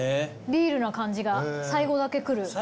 ビールな感じが最後だけ来る。